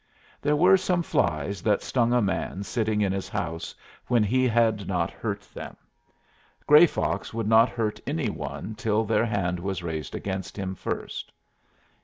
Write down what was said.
There were some flies that stung a man sitting in his house, when he had not hurt them. Gray Fox would not hurt any one till their hand was raised against him first.